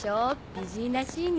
美人らしいね。